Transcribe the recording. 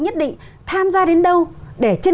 nhất định tham gia đến đâu để trên